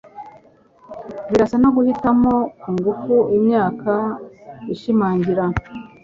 Birasa nuguhitamo kugufi imyaka ishimangira